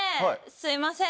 すいません